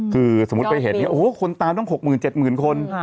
คือสมมุติไปเห็นเนี่ยโอ้โหคนตามต้อง๖๗๐๐คน